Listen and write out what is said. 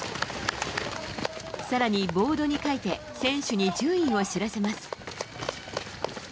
さらにボードに書いて、選手に順位を知らせます。